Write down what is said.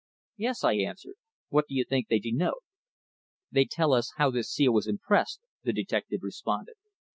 "Yes," I answered. "What do you think they denote?" "They tell us how this seal was impressed," the detective responded.